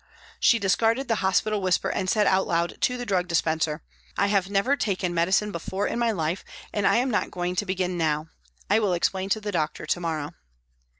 She discarded the hospital whisper and said out loud to the drug dispenser : "I have never taken medicine in my life and I am not going to begin now ; I will explain to the doctor to morrow."